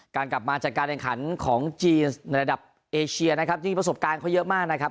กลับมาจากการแข่งขันของจีนในระดับเอเชียนะครับยิ่งประสบการณ์เขาเยอะมากนะครับ